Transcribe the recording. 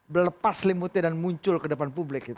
melepas selimutnya dan muncul ke depan publik